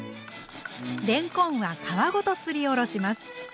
れんこんは皮ごとすりおろします。